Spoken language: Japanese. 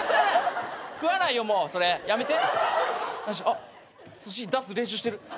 あっすし出す練習してる。